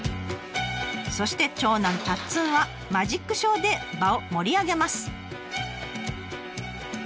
そして長男たっつんはマジックショーで場を盛り上げます。